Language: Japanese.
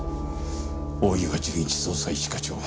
大岩純一捜査一課長。